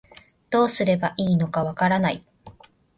どうすればいいのかわからない